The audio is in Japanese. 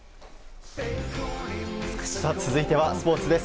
続いてはスポーツです。